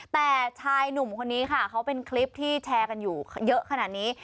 แต่ชายหนุ่มคนนี้ค่ะเขาเป็นคลิปที่แชร์กันอยู่เยอะขนาดนี้